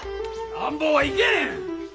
乱暴はいけん！